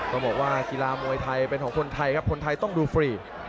ต้องบอกว่ากีฬามวยไทยเป็นของคนไทยครับคนไทยต้องดูฟรี